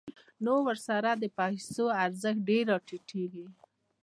نو ورسره د پیسو ارزښت ډېر راټیټېږي